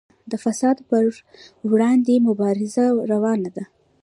د فساد پر وړاندې مبارزه روانه ده